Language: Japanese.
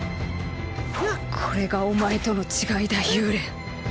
これがお前との違いだ幽連。